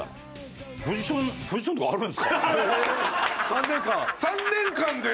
３年間で。